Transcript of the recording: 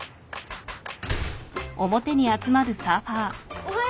・おはよう。